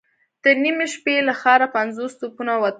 تر نيمې شپې له ښاره پنځوس توپونه ووتل.